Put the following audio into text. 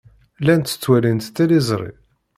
Llant ttwalint tiliẓri.